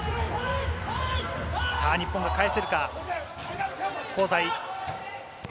日本が返せるか？